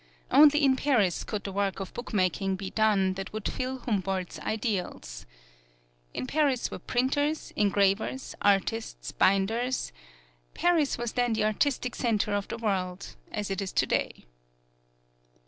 Only in Paris could the work of bookmaking be done that would fill Humboldt's ideals. In Paris were printers, engravers, artists, binders Paris was then the artistic center of the world, as it is today.